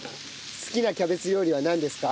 好きなキャベツ料理はなんですか？